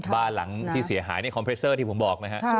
บ้านหลังที่เสียหายในคอมเรสเตอร์ที่ผมบอกนะครับ